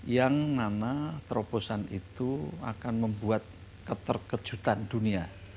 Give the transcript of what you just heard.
yang nama terobosan itu akan membuat keterkejutan dunia